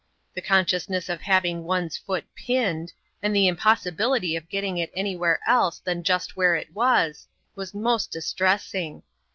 The consciousness of having one's foot pinned^ and the impossibiCtj of getting it anywhere else than just where it was, was most distressing.